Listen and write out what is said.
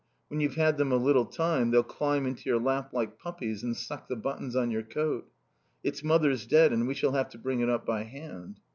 When you've had them a little time they'll climb into your lap like puppies and suck the buttons on your coat. Its mother's dead and we shall have to bring it up by hand."